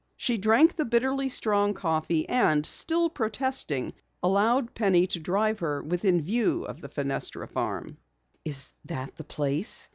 She drank the bitterly strong coffee and, still protesting, allowed Penny to drive her within view of the Fenestra farm. "Is that the place?"